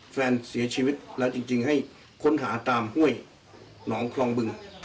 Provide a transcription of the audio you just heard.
แฟนเสียชีวิตแล้วจริงให้ค้นหาตามห้วยหนองคลองบึง